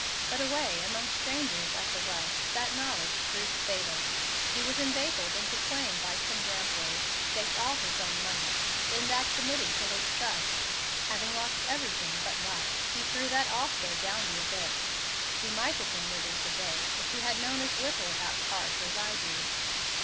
But away among strangers at the West that knowledge proved fatal. He was inveigled into playing by some gamblers, staked all his own money, then that committed to his trust. Having lost everything but life, he threw that also down the abyss. He might have been living to day if he had known as little about cards as I do."